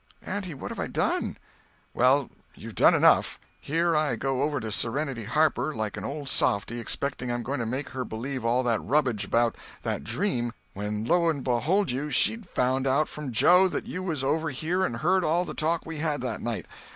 "Auntie, what have I done?" "Well, you've done enough. Here I go over to Sereny Harper, like an old softy, expecting I'm going to make her believe all that rubbage about that dream, when lo and behold you she'd found out from Joe that you was over here and heard all the talk we had that night.